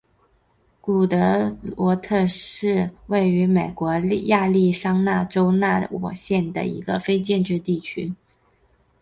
古德沃特是位于美国亚利桑那州纳瓦霍县的一个非建制地区。